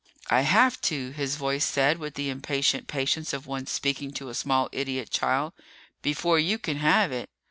"I have to," his voice said with the impatient patience of one speaking to a small idiot child, "before you can have it.